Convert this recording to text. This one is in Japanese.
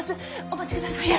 お待ちください。